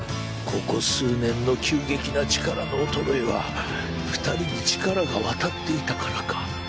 ここ数年の急激な力の衰えは二人に力が渡っていたからか